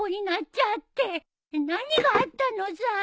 何があったのさ？